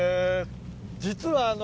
実はあの。